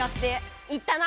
言ったな！